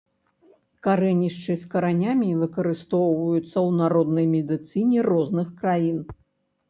Карэнішчы з каранямі выкарыстоўваюцца ў народнай медыцыне розных краін.